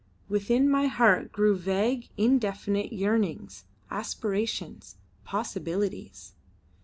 Within my heart grew vague indefinite yearnings, aspirations, possibilities.